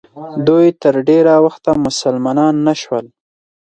دوی تر ډېره وخته مسلمانان نه شول.